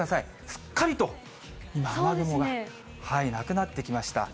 すっかりと今、雨雲がなくなってきました。